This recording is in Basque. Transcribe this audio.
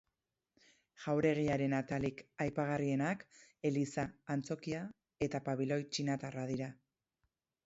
Jauregiaren atalik aipagarrienak eliza, antzokia eta pabiloi txinatarra dira.